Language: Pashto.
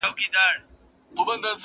نور څه نه لرم خو ځان مي ترې قربان دی.